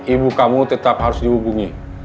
ibu kamu tetap harus dihubungi